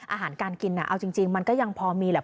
อาหารการกินเอาจริงมันก็ยังพอมีแหละ